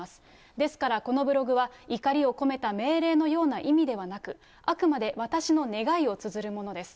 ですから、このブログは、怒りを込めた命令のような意味ではなく、あくまで私の願いをつづるものです。